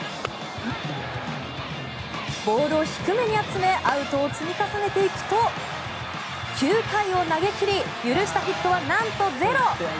ボールを低めに集めアウトを積み重ねていくと９回を投げ切り許したヒットは、なんとゼロ。